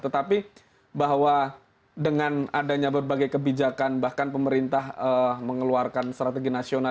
tetapi bahwa dengan adanya berbagai kebijakan bahkan pemerintah mengeluarkan strategi nasional